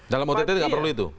dalam ott tidak perlu itu